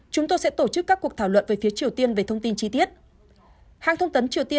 chúng tôi sẽ tổ chức các cuộc thảo luận về phía triều tiên về thông tin chi tiết